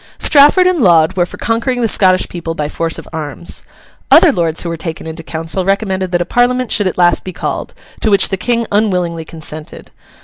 Strafford and Laud were for conquering the Scottish people by force of arms. Other lords who were taken into council, recommended that a Parliament should at last be called; to which the King unwillingly consented.